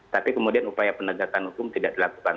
tapi kemudian upaya penegakan hukum tidak dilakukan